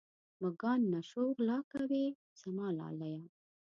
مږان نه شو غلا کوې زما لالیه.